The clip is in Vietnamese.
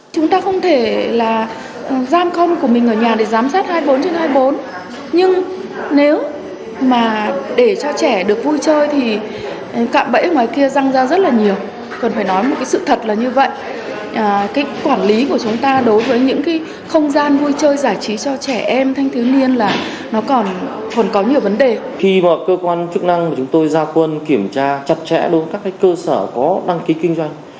chúng tôi ra quân kiểm tra chặt chẽ đối với các cơ sở có đăng ký kinh doanh